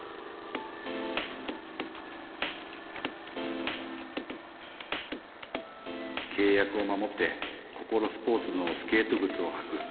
心の声けい約を守ってココロスポーツのスケートぐつをはく。